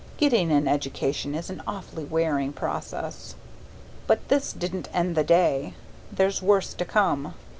Getting an education is an awfully wearing process! But this didn't end the day. There's worse to come.